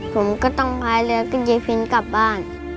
ผมก็ต้องพาเรือกับเยฟินกลับบ้าน